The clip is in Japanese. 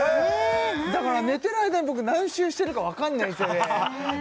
だから寝てる間に僕何周してるか分かんないんです